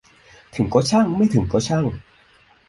ถึงก็ช่างไม่ถึงก็ช่าง